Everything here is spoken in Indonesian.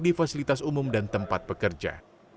di fasilitas umum dan tempat pekerja